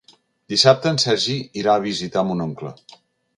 Dissabte en Sergi irà a visitar mon oncle.